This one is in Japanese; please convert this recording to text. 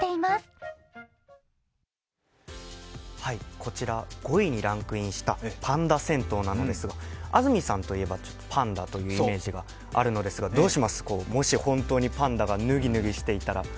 こちら、５位にランクインした「パンダ銭湯」ですが安住さんといえばパンダというイメージがあるのですが、どうします、もし、本当にパンダが脱ぎ脱ぎしていたら。